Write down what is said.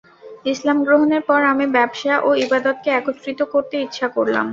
ইসলাম গ্রহণের পর আমি ব্যবসা ও ইবাদতকে একত্রিত করতে ইচ্ছে করলাম।